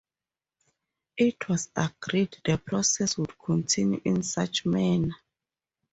It was agreed the process would continue in such manner.